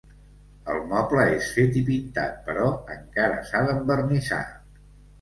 El moble és fet i pintat, però encara s'ha d'envernissar.